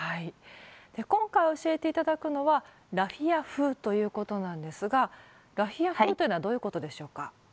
今回教えて頂くのはラフィア風ということなんですがラフィア風というのはどういうことでしょうか？